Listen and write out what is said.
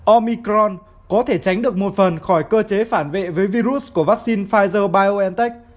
omicron có thể tránh được một phần khỏi cơ chế phản vệ với virus của vaccine pfizer biontech